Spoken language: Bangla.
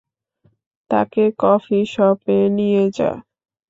তাকে কফি শপে নিয়ে যা।